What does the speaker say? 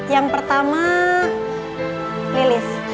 yang pertama lilis